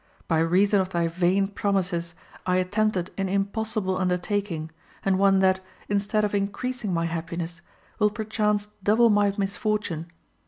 By reason of thy vain promises I attempted an impossible undertaking, and one that, instead of increasing my happiness, will perchance double my misfortune.